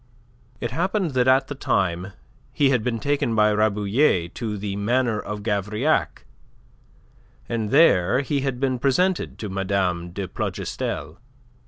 It happened that at the time he was taken by Rabouillet to the Manor of Gavrillac, and there he had been presented to Mme. de Plougastel.